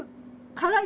辛い！